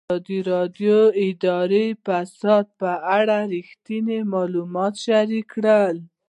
ازادي راډیو د اداري فساد په اړه رښتیني معلومات شریک کړي.